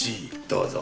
どうぞ。